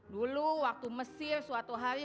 dulu waktu mesir suatu hari